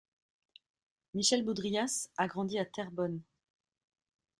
Michel Boudrias a grandi à Terrebonne.